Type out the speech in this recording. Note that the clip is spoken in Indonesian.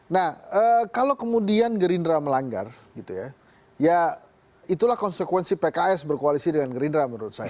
nah kalau kemudian gerindra melanggar ya itulah konsekuensi pks berkoalisi dengan gerindra